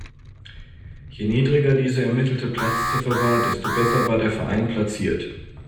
Je niedriger diese ermittelte Platzziffer war, desto besser war der Verein platziert.